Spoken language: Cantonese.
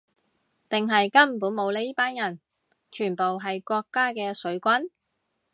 定係根本冇呢班人，全部係國家嘅水軍